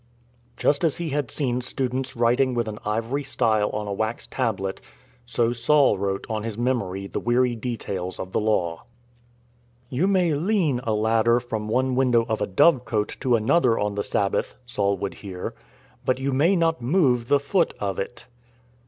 Just as he had seen students writing with an ivory style on a wax tablet, so Saul wrote on his memory the weary details of the Law. " You may lean a ladder from one window of a dovecote to another on the Sabbath," Saul would hear; " but you may not move the foot of it."